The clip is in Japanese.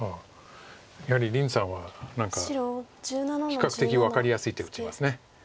やはり林さんは何か比較的分かりやすい手打ちます。